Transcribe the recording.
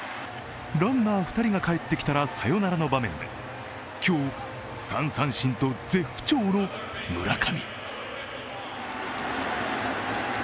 ランナー２人が帰ってきたらサヨナラの場面で今日、３三振と絶不調の村上。